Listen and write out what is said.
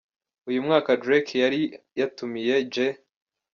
Uyu mwaka Drake yari yatumiye J.